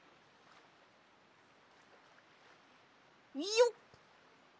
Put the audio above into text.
よっ！